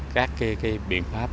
các biện pháp